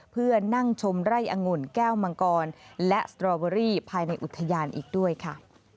เพื่อนั่งชมไร่อังุ่นแก้วมังกรและสตรอเบอรี่ภายในอุทยานอีกด้วยค่ะ